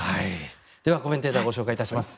ではコメンテーターをご紹介します。